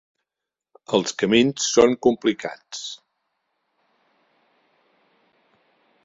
Els camins són complicats.